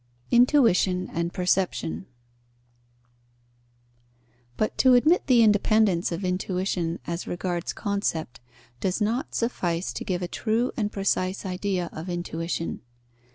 Intuition and perception. But to admit the independence of intuition as regards concept does not suffice to give a true and precise idea of intuition.